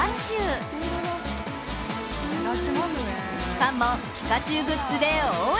ファンもピカチュウグッズで応援！